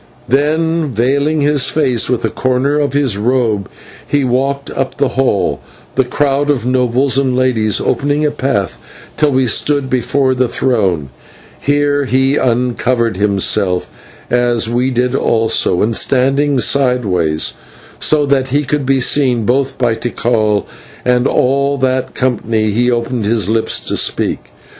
Then, veiling his face with a corner of his robe, he walked up the hall, the crowd of nobles and ladies opening a path till we stood before the throne. Here he uncovered himself, as we did also, and standing sideways, so that he could be seen both by Tikal and all that company, he opened his lips to speak.